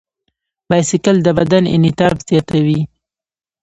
بایسکل د بدن انعطاف زیاتوي.